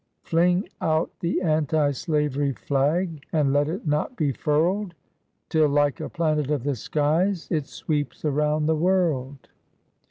Fling out the an ti slavery flag, And let it not be furled, Till like a planet of the skies, It sweeps around the world